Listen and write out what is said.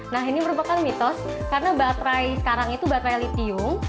nah ini merupakan mitos karena sekarang baterai itu baterai lithium